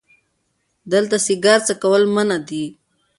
دلته سیګار څکول منع دي🚭